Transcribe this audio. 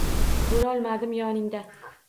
Bo’lolmadim yoningda.